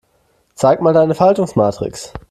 Zeig mal deine Faltungsmatrix.